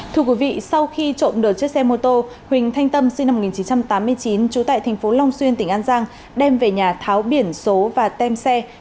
thưa quý vị sau khi trộm được chiếc xe mô tô huỳnh thanh tâm sinh năm một nghìn chín trăm tám mươi chín trú tại thành phố long xuyên tỉnh an giang đem về nhà tháo biển số và tem xe